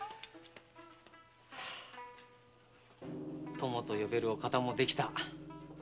友と呼べるお方もできた。